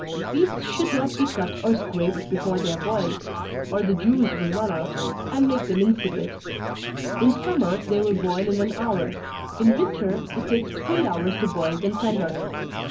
_ Beets should not be cut or scraped before they are boiled, or the juice will run out, and make them insipid. In summer, they will boil in an hour in winter, it takes three hours to boil them tender.